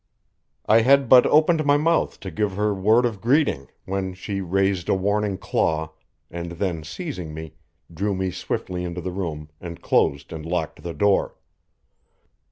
I had but opened my mouth to give her word of greeting when she raised a warning claw, and then seizing me, drew me swiftly into the room and closed and locked the door.